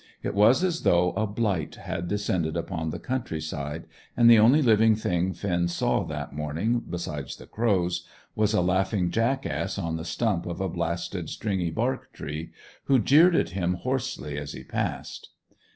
It was as though a blight had descended upon the countryside, and the only living thing Finn saw that morning, besides the crows, was a laughing jackass on the stump of a blasted stringy bark tree, who jeered at him hoarsely as he passed.